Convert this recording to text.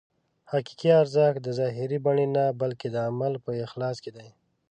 حقیقي ارزښت د ظاهري بڼې نه بلکې د عمل په اخلاص کې دی.